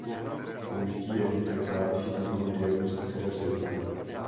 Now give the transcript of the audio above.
Použití jednotek závisí na druhu diagnostické soupravy.